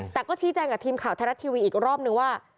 แต่ก็ชี้แจงกับทีมข่าวไทยรัฐทีวีอีกรอบนึงว่า